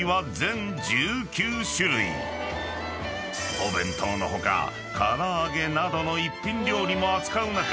［お弁当の他唐揚などの一品料理も扱う中